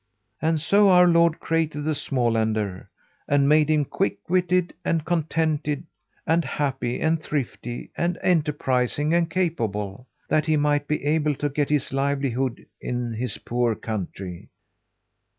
And so our Lord created the Smålander, and made him quick witted and contented and happy and thrifty and enterprising and capable, that he might be able to get his livelihood in his poor country."